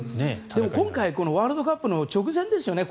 でも今回ワールドカップの直前ですよね